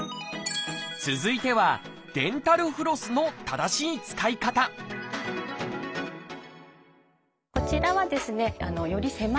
続いてはデンタルフロスの正しい使い方こちらはですねより狭い所